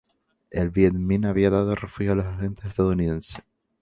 El Viet Minh había dado refugio a los agentes estadounidenses.